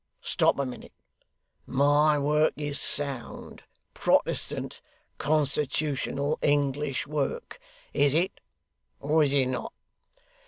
Stop a minute. My work, is sound, Protestant, constitutional, English work. Is it, or is it not?